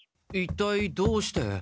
一体どうして？